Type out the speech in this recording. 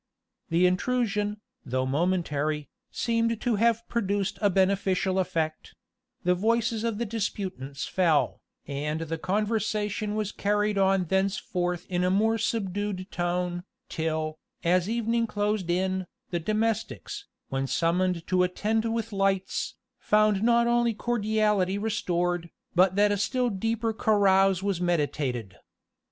The intrusion, though momentary, seemed to have produced a beneficial effect; the voices of the disputants fell, and the conversation was carried on thenceforth in a more subdued tone, till, as evening closed in, the domestics, when summoned to attend with lights, found not only cordiality restored, but that a still deeper carouse was meditated.